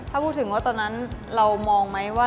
ถ้าพูดถึงว่าตอนนั้นเรามองไหมว่า